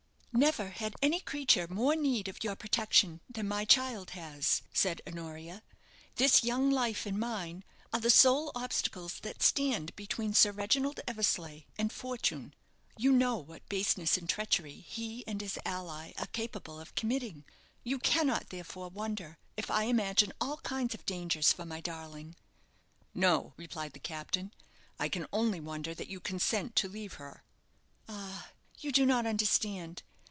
"Never had any creature more need of your protection than my child has," said Honoria. "This young life and mine are the sole obstacles that stand between Sir Reginald Eversleigh and fortune. You know what baseness and treachery he and his ally are capable of committing. You cannot, therefore, wonder if I imagine all kinds of dangers for my darling." "No," replied the captain; "I can only wonder that you consent to leave her." "Ah, you do not understand.